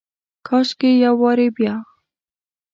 کاشکي یو وارې بیا،